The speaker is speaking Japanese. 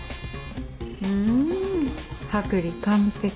ん剥離完璧。